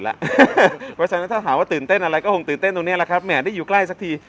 เพราะฉะนั้นถ้าถามว่าตื่นเต้นอะไรก็คงตื่นเต้นตรงนี้แหละครับแหมได้อยู่ใกล้สักที